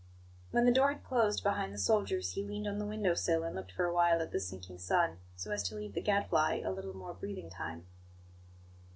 When the door had closed behind the soldiers, he leaned on the window sill and looked for a while at the sinking sun, so as to leave the Gadfly a little more breathing time.